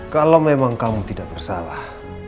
kalau memang kamu tidak bersalah